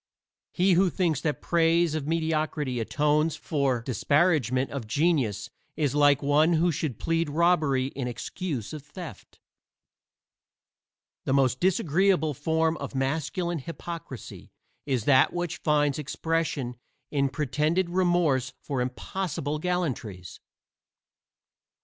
He who thinks that praise of mediocrity atones for disparagement of genius is like one who should plead robbery in excuse of theft. The most disagreeable form of masculine hypocrisy is that which finds expression in pretended remorse for impossible gallantries.